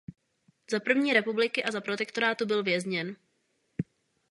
Za první republiky a za protektorátu byl vězněn.